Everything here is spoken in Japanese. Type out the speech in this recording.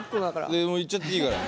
いやもういっちゃっていいから。